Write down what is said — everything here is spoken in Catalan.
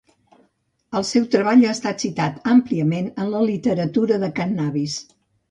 El seu treball ha estat citat àmpliament en la literatura de cànnabis.